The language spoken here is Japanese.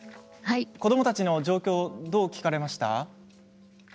子どもたちの状況どう聞かれました？